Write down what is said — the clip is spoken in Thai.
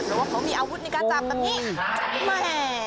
เพราะว่าเขามีอาวุธในการจับตรงนี้จับดินแม่